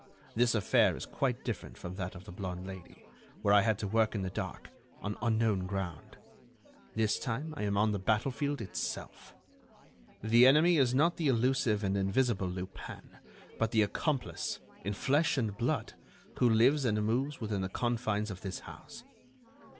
This affair is quite different from that of the blonde Lady, where I had to work in the dark, on unknown ground. This time I am on the battlefield itself. The enemy is not the elusive and invisible Lupin, but the accomplice, in flesh and blood, who lives and moves within the confines of this house.